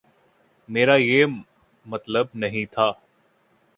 میرا یہ مطلب نہیں تھا۔